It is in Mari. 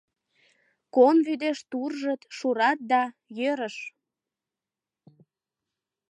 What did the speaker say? Кон вӱдеш туржыт, шурат да — йӧрыш.